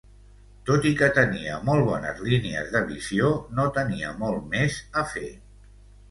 Tot i que tenia molt bones línies de visió, no tenia molt més a fer.